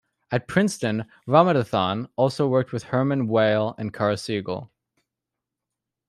At Princeton, Ramanathan also worked with Hermann Weyl and Carl Siegel.